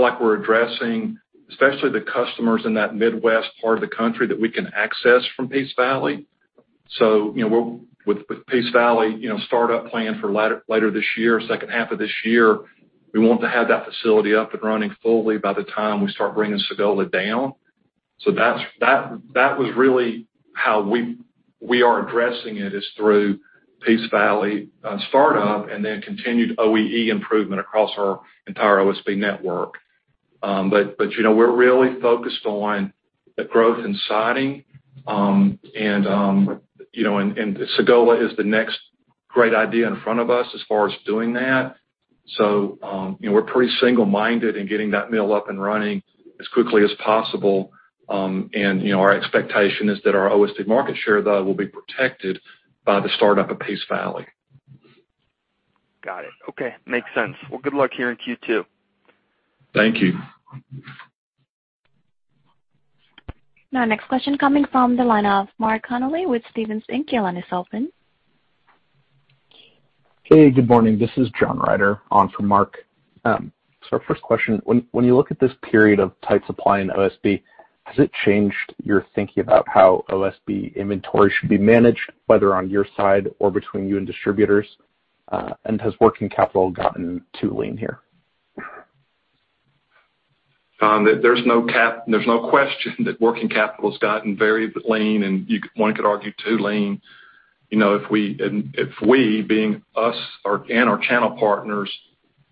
C: like we're addressing, especially the customers in that Midwest part of the country that we can access from Peace Valley. With Peace Valley startup plan for later this year, second half of this year, we want to have that facility up and running fully by the time we start bringing Sagola down. That was really how we are addressing it is through Peace Valley startup and then continued OEE improvement across our entire OSB network. We're really focused on the growth in siding. Sagola is the next great idea in front of us as far as doing that. So we're pretty single-minded in getting that mill up and running as quickly as possible. And our expectation is that our OSB market share, though, will be protected by the startup of Peace Valley.
I: Got it. Okay. Makes sense. Well, good luck here in Q2.
C: Thank you.
A: Now, next question coming from the line of Mark Connelly with Stephens Inc. Your line is open.
J: Hey, good morning. This is John Ryder on for Mark. So our first question, when you look at this period of tight supply in OSB, has it changed your thinking about how OSB inventory should be managed, whether on your side or between you and distributors? And has working capital gotten too lean here?
C: There's no question that working capital has gotten very lean, and one could argue too lean. If we, being us and our channel partners,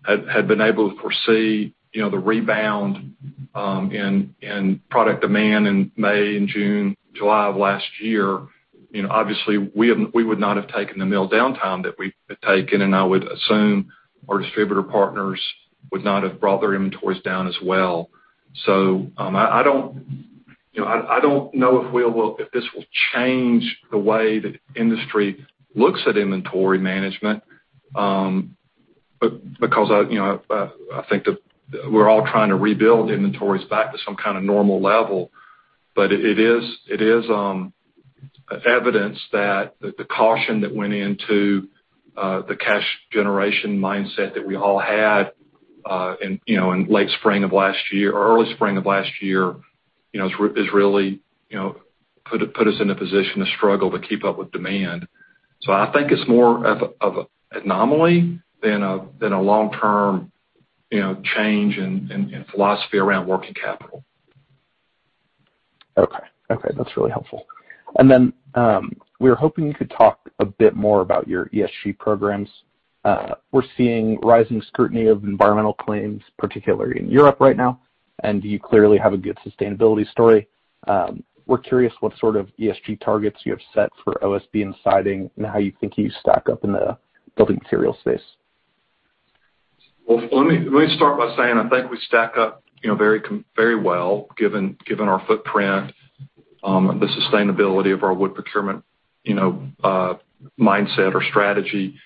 C: had been able to foresee the rebound in product demand in May and June, July of last year, obviously, we would not have taken the mill downtime that we've taken. And I would assume our distributor partners would not have brought their inventories down as well. So I don't know if this will change the way the industry looks at inventory management because I think we're all trying to rebuild inventories back to some kind of normal level. But it is evidence that the caution that went into the cash generation mindset that we all had in late spring of last year or early spring of last year has really put us in a position to struggle to keep up with demand. So I think it's more of an anomaly than a long-term change in philosophy around working capital.
J: Okay. Okay. That's really helpful. And then we were hoping you could talk a bit more about your ESG programs. We're seeing rising scrutiny of environmental claims, particularly in Europe right now. And you clearly have a good sustainability story. We're curious what sort of ESG targets you have set for OSB and siding and how you think you stack up in the building materials space.
C: Let me start by saying I think we stack up very well given our footprint, the sustainability of our wood procurement mindset or strategy.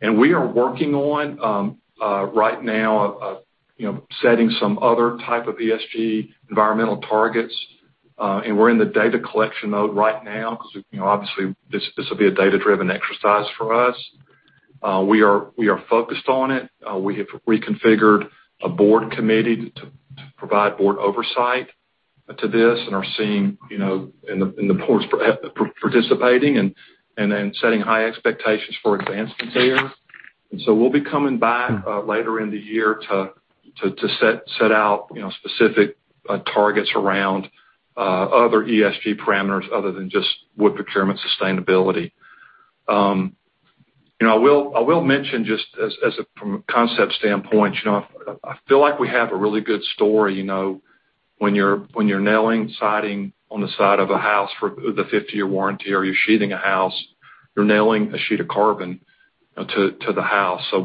C: And we are working on right now setting some other type of ESG environmental targets. And we're in the data collection mode right now because obviously, this will be a data-driven exercise for us. We are focused on it. We have reconfigured a Board committee to provide Board oversight to this and are seeing in the ports participating and setting high expectations for advancement there. And so we'll be coming back later in the year to set out specific targets around other ESG parameters other than just wood procurement sustainability. I will mention just from a concept standpoint, I feel like we have a really good story. When you're nailing siding on the side of a house for the 50-year warranty or you're sheathing a house, you're nailing a sheet of OSB to the house. So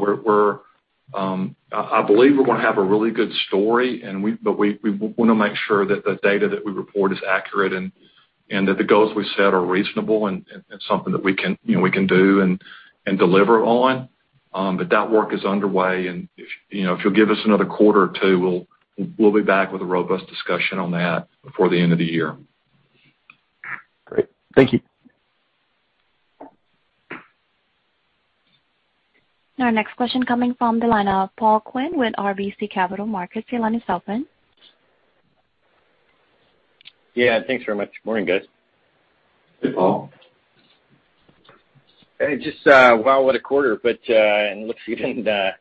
C: I believe we're going to have a really good story. But we want to make sure that the data that we report is accurate and that the goals we set are reasonable and something that we can do and deliver on. But that work is underway. And if you'll give us another quarter or two, we'll be back with a robust discussion on that before the end of the year.
J: Great. Thank you.
A: Now, next question coming from the line of Paul Quinn with RBC Capital Markets. Your line is open.
K: Yeah. Thanks very much. Good morning, guys.
C: Hey, Paul.
K: Hey, just a while away to quarter, but it looks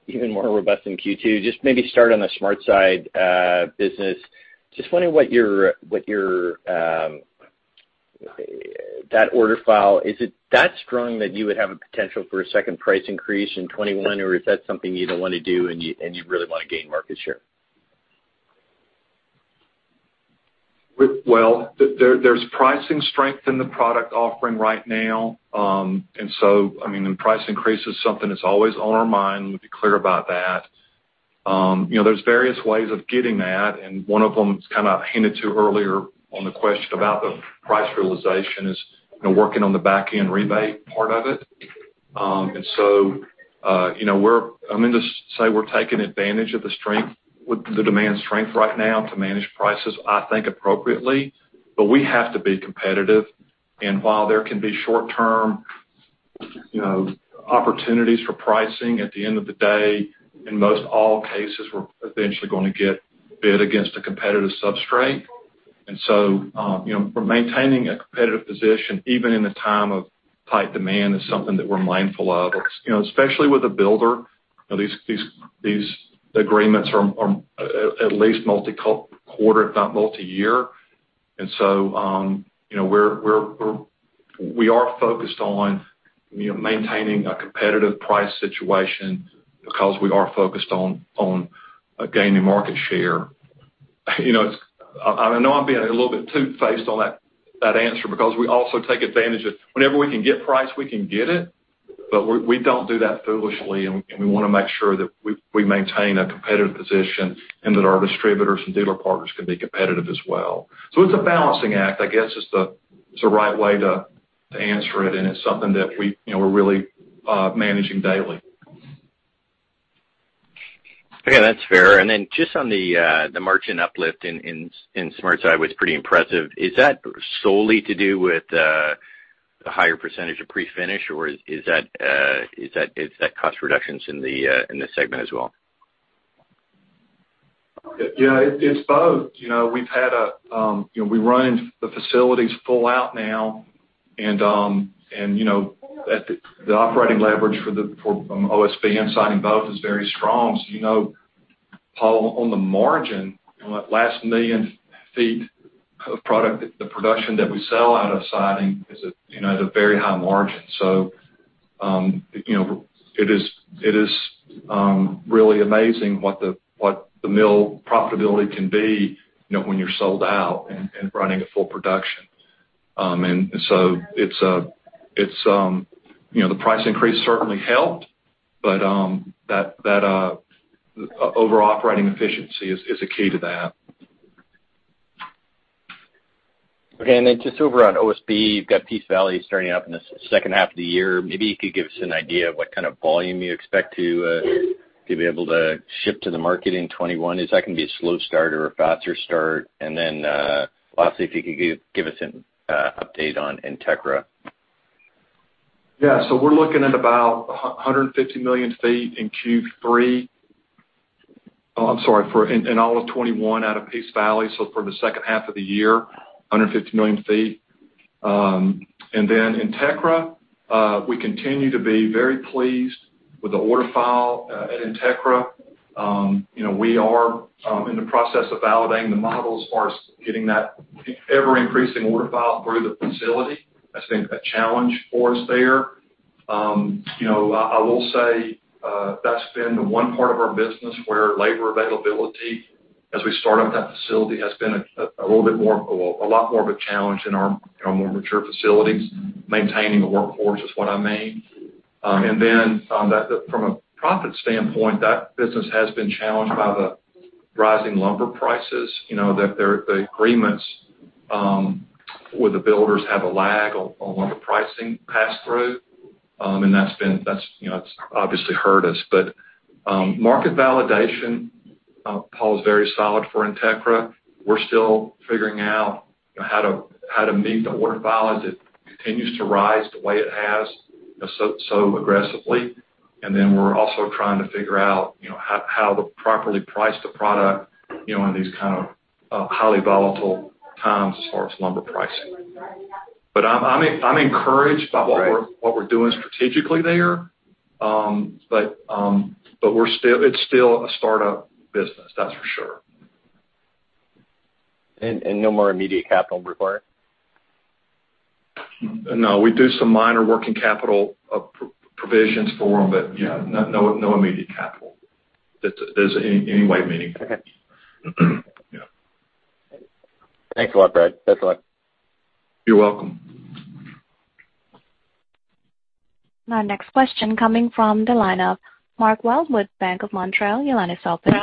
K: even more robust than Q2. Just maybe start on the SmartSide business. Just wondering what's your order file, is it that strong that you would have a potential for a second price increase in 2021, or is that something you don't want to do and you really want to gain market share?
C: There's pricing strength in the product offering right now. So, I mean, the price increase is something that's always on our mind. We'll be clear about that. There's various ways of getting that. One of them is kind of hinted to earlier on the question about the price realization, is working on the back-end rebate part of it. So I'm going to say we're taking advantage of the demand strength right now to manage prices, I think, appropriately. We have to be competitive. While there can be short-term opportunities for pricing at the end of the day, in most all cases, we're eventually going to get bid against a competitive substrate. Maintaining a competitive position even in a time of tight demand is something that we're mindful of, especially with a builder. These agreements are at least multi-quarter, if not multi-year. And so we are focused on maintaining a competitive price situation because we are focused on gaining market share. I know I'm being a little bit two-faced on that answer because we also take advantage of whenever we can get price, we can get it. But we don't do that foolishly. And we want to make sure that we maintain a competitive position and that our distributors and dealer partners can be competitive as well. So it's a balancing act, I guess, is the right way to answer it. And it's something that we're really managing daily.
K: Okay. That's fair. And then just on the margin uplift in SmartSide, which is pretty impressive, is that solely to do with the higher percentage of pre-finish, or is that cost reductions in the segment as well?
C: Yeah. It's both. We run the facilities full out now. And the operating leverage for OSB and siding both is very strong. So you know, Paul, on the margin, on that last million feet of product, the production that we sell out of siding is a very high margin. So it is really amazing what the mill profitability can be when you're sold out and running a full production. And so it's the price increase certainly helped, but that overall operating efficiency is a key to that.
K: Okay. And then just over on OSB, you've got Peace Valley starting up in the second half of the year. Maybe you could give us an idea of what kind of volume you expect to be able to ship to the market in 2021. Is that going to be a slow start or a faster start? And then lastly, if you could give us an update on Entekra.
C: Yeah. So we're looking at about 150 million ft in Q3. I'm sorry, in all of 2021 out of Peace Valley. So for the second half of the year, 150 million ft. And then Entekra, we continue to be very pleased with the order file at Entekra. We are in the process of validating the models as far as getting that ever-increasing order file through the facility. That's been a challenge for us there. I will say that's been the one part of our business where labor availability as we start up that facility has been a little bit more of a challenge than our more mature facilities. Maintaining a workforce is what I mean. And then from a profit standpoint, that business has been challenged by the rising lumber prices. The agreements with the builders have a lag on lumber pricing pass-through. And that's obviously hurt us. But market validation, Paul, is very solid for Entekra. We're still figuring out how to meet the order file as it continues to rise the way it has so aggressively. And then we're also trying to figure out how to properly price the product in these kind of highly volatile times as far as lumber pricing. But I'm encouraged by what we're doing strategically there. But it's still a startup business, that's for sure.
K: And no more immediate capital required?
C: No. We do some minor working capital provisions for them, but no immediate capital in any meaningful way.
K: Okay. Thanks a lot, Brad. That's all.
C: You're welcome.
A: Now, next question coming from the line of Mark Wilde, Bank of Montreal, your line is open.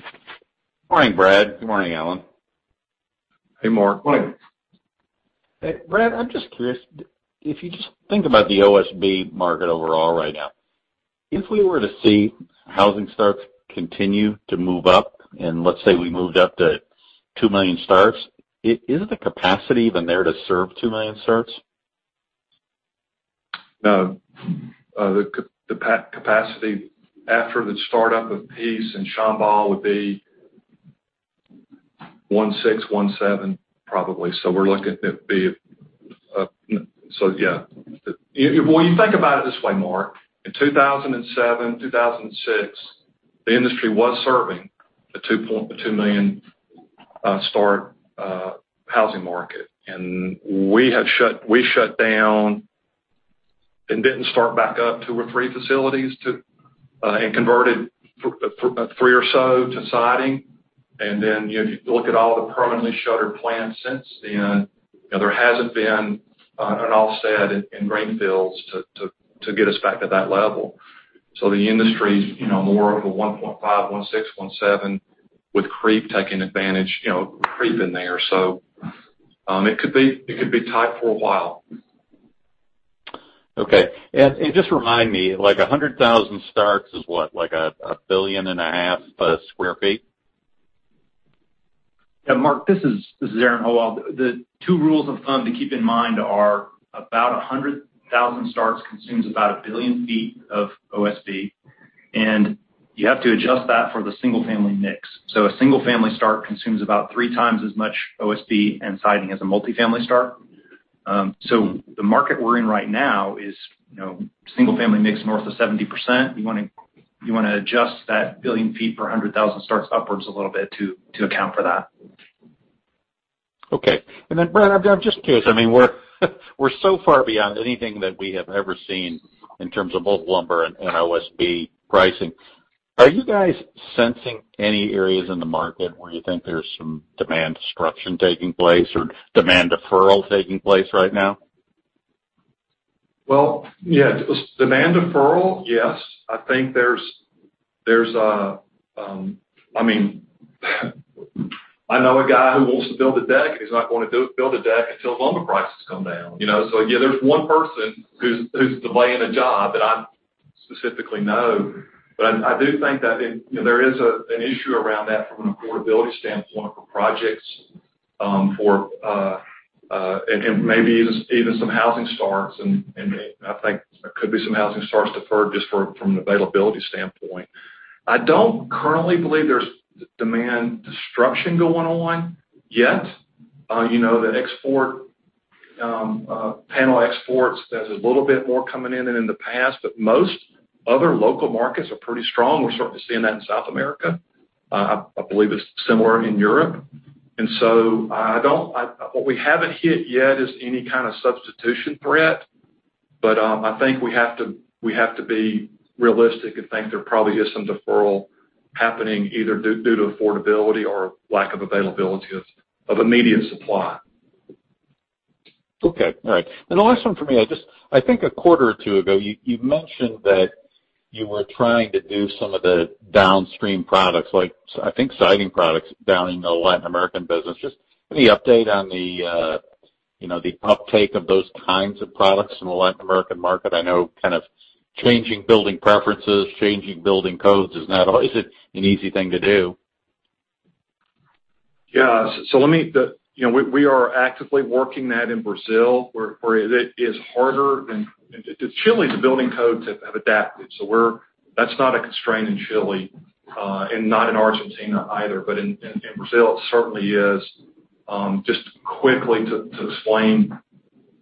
L: Good morning, Brad. Good morning, Alan.
C: Hey, Mark.
D: Morning.
L: Hey, Brad. I'm just curious. If you just think about the OSB market overall right now, if we were to see housing starts continue to move up, and let's say we moved up to two million starts, is the capacity even there to serve two million starts?
C: No. The capacity after the startup of Peace and Chambord would be 16, 17, probably, well, you think about it this way, Mark. In 2007, 2006, the industry was serving the two million start housing market, and we shut down and didn't start back up two or three facilities and converted three or so to siding, and then if you look at all the permanently shuttered plants since then, there hasn't been an offset in greenfields to get us back to that level, so the industry is more of a 1.5, 16, 17 with creep taking advantage in there, so it could be tight for a while.
L: Okay. And just remind me, like 100,000 starts is what, like 1.5 billion sq ft?
B: Yeah. Mark, this is Aaron Howald. The two rules of thumb to keep in mind are about 100,000 starts consumes about a billion feet of OSB. And you have to adjust that for the single-family mix. So a single-family start consumes about three times as much OSB and siding as a multi-family start. So the market we're in right now is single-family mix north of 70%. You want to adjust that billion feet per 100,000 starts upwards a little bit to account for that.
L: Okay. And then, Brad, I'm just curious. I mean, we're so far beyond anything that we have ever seen in terms of both lumber and OSB pricing. Are you guys sensing any areas in the market where you think there's some demand destruction taking place or demand deferral taking place right now?
C: Well, yeah. Demand deferral, yes. I think there's. I mean, I know a guy who wants to build a deck and he's not going to build a deck until lumber prices come down. So yeah, there's one person who's delaying a job that I specifically know. But I do think that there is an issue around that from an affordability standpoint for projects and maybe even some housing starts. And I think there could be some housing starts deferred just from an availability standpoint. I don't currently believe there's demand destruction going on yet. The export panel exports, there's a little bit more coming in than in the past. But most other local markets are pretty strong. We're starting to see that in South America. I believe it's similar in Europe. And so what we haven't hit yet is any kind of substitution threat. But I think we have to be realistic and think there probably is some deferral happening either due to affordability or lack of availability of immediate supply.
L: Okay. All right. And the last one for me, I think a quarter or two ago, you mentioned that you were trying to do some of the downstream products, like I think siding products down in the Latin American business. Just any update on the uptake of those kinds of products in the Latin American market? I know kind of changing building preferences, changing building codes is not always an easy thing to do.
C: Yeah. So we are actively working that in Brazil. It is harder than the Chilean building codes have adapted. So that's not a constraint in Chile and not in Argentina either. But in Brazil, it certainly is. Just quickly to explain,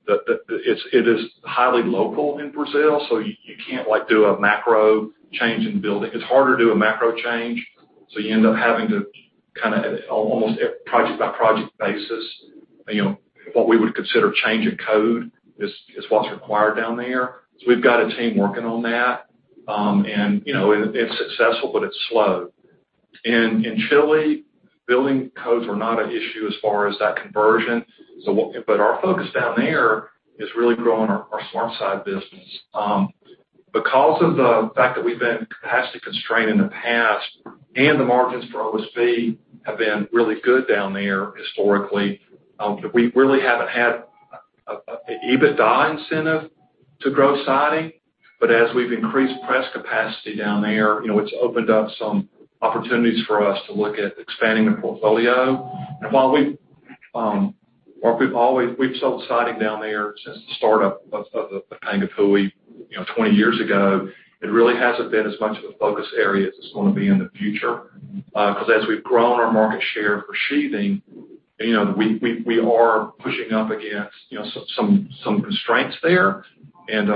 C: it is highly local in Brazil. So you can't do a macro change in building. It's harder to do a macro change. So you end up having to kind of almost project-by-project basis. What we would consider changing code is what's required down there. So we've got a team working on that. And it's successful, but it's slow. And in Chile, building codes are not an issue as far as that conversion. But our focus down there is really growing our SmartSide business. Because of the fact that we've been capacity constrained in the past, and the margins for OSB have been really good down there historically, we really haven't had an EBITDA incentive to grow siding. But as we've increased press capacity down there, it's opened up some opportunities for us to look at expanding the portfolio. And while we've sold siding down there since the startup of the Panguipulli 20 years ago, it really hasn't been as much of a focus area as it's going to be in the future. Because as we've grown our market share for sheathing, we are pushing up against some constraints there. And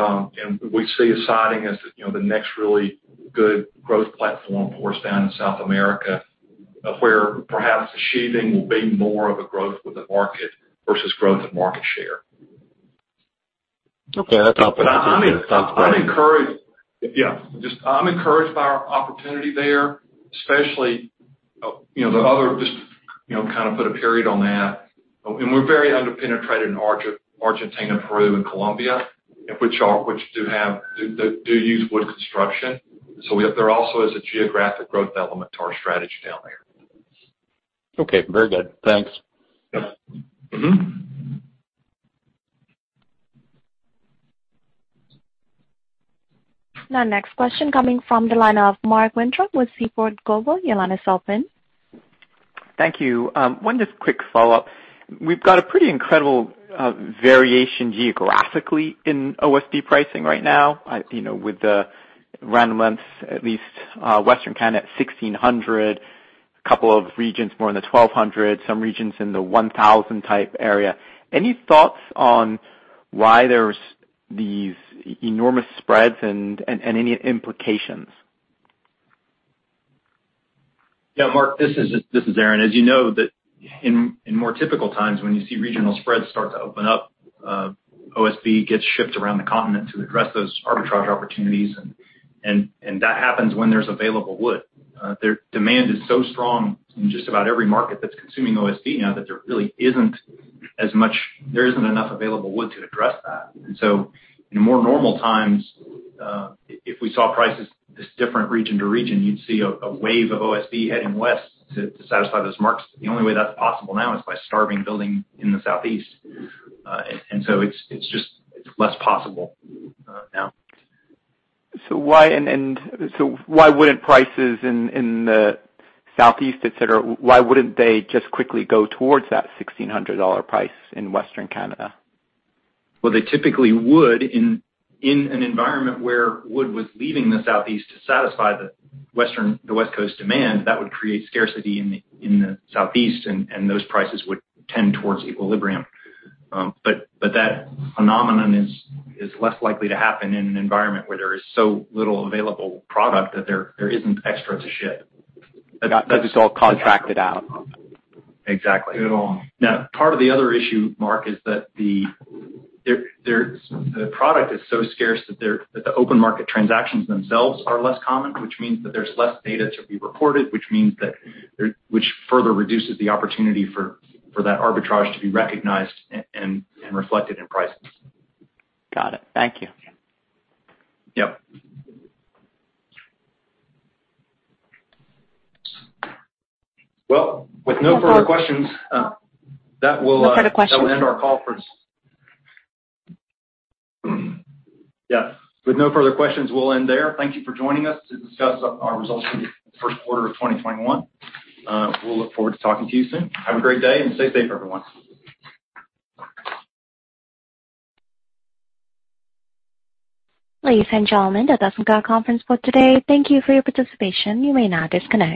C: we see siding as the next really good growth platform for us down in South America, where perhaps the sheathing will be more of a growth with the market versus growth of market share.
L: Okay. That's awesome. That's awesome.
C: I'm encouraged. Yeah. I'm encouraged by our opportunity there, especially the other just kind of put a period on that. And we're very underpenetrated in Argentina, Peru, and Colombia, which do use wood construction. So there also is a geographic growth element to our strategy down there.
L: Okay. Very good. Thanks.
A: Now, next question coming from the line of Mark Weintraub with Seaport Global, your line is open.
E: Thank you. One just quick follow-up. We've got a pretty incredible variation geographically in OSB pricing right now with the round amounts, at least Western Canada at $1,600, a couple of regions more in the $1,200, some regions in the $1,000 type area. Any thoughts on why there's these enormous spreads and any implications?
B: Yeah. Mark, this is Aaron. As you know, in more typical times when you see regional spreads start to open up, OSB gets shipped around the continent to address those arbitrage opportunities. And that happens when there's available wood. Demand is so strong in just about every market that's consuming OSB now that there really isn't enough available wood to address that. So in more normal times, if we saw prices this different region to region, you'd see a wave of OSB heading west to satisfy those markets. The only way that's possible now is by starving building in the southeast. So it's just less possible now.
E: So why wouldn't prices in the southeast, etc., why wouldn't they just quickly go towards that $1,600 price in Western Canada?
B: They typically would in an environment where wood was leaving the Southeast to satisfy the West Coast demand. That would create scarcity in the Southeast, and those prices would tend toward equilibrium. But that phenomenon is less likely to happen in an environment where there is so little available product that there isn't extra to ship.
E: That's all contracted out.
B: Exactly. Now, part of the other issue, Mark, is that the product is so scarce that the open market transactions themselves are less common, which means that there's less data to be reported, which further reduces the opportunity for that arbitrage to be recognized and reflected in prices.
E: Got it. Thank you.
B: Yep. Well, with no further questions, that will.
A: No further questions.
B: End our conference. Yes. With no further questions, we'll end there. Thank you for joining us to discuss our results for the first quarter of 2021. We'll look forward to talking to you soon. Have a great day and stay safe, everyone.
A: Ladies and gentlemen, that concludes the conference for today. Thank you for your participation. You may now disconnect.